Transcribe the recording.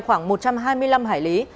khoảng một trăm hai mươi năm hải lý